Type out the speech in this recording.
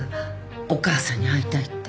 「お母さんに会いたい」って。